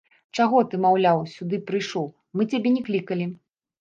Чаго ты, маўляў, сюды прыйшоў, мы цябе не клікалі.